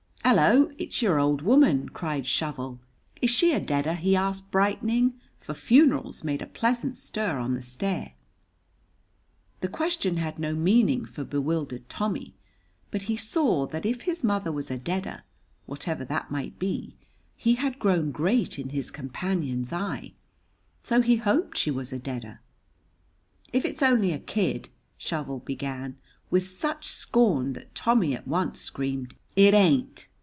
"Hello, it's your old woman!" cried Shovel. "Is she a deader?" he asked, brightening, for funerals made a pleasant stir on the stair. The question had no meaning for bewildered Tommy, but he saw that if his mother was a deader, whatever that might be, he had grown great in his companion's eye. So he hoped she was a deader. "If it's only a kid," Shovel began, with such scorn that Tommy at once screamed, "It ain't!"